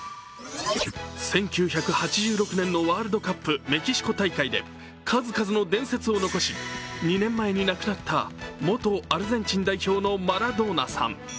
１９８０年のワールドカップ、メキシコ大会で数々の伝説を残し、２年前に亡くなった元アルゼンチン代表のマラドーナさん。